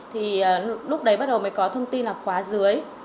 thì lúc đấy mới có thông tin là khóa dưới